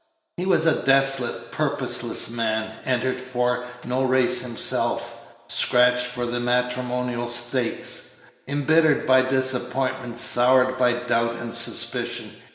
He was a desolate, purposeless man; entered for no race himself; scratched for the matrimonial stakes; embittered by disappointment; soured by doubt and suspicion.